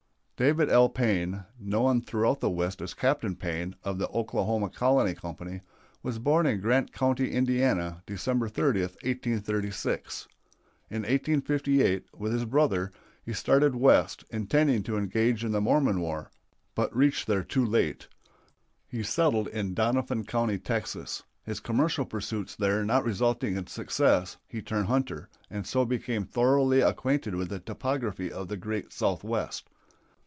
David L. Payne, known throughout the West as Captain Payne, of the Oklahoma Colony Company, was born in Grant County, Indiana, December 30, 1836. In 1858, with his brother, he started West, intending to engage in the Mormon War, but reached there too late. He settled in Doniphan County, Texas. His commercial pursuits there not resulting in success he turned hunter, and so became thoroughly acquainted with the topography of the great Southwest.